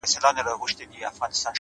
هغه خو دا خبري پټي ساتي ـ